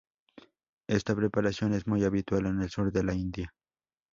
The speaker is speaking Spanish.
Esta preparación es muy habitual en el Sur de la India.